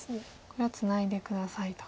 これはツナいで下さいと。